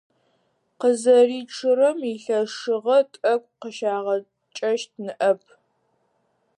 Къызэричъырэм илъэшыгъэ тӀэкӀу къыщагъэкӀэщт ныӀэп.